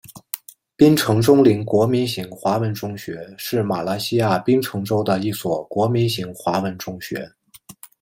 槟城锺灵国民型华文中学是马来西亚槟城州的一所国民型华文中学。